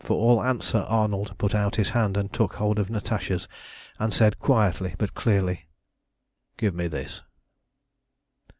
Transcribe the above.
For all answer Arnold put out his hand and took hold of Natasha's, and said quietly but clearly "Give me this!"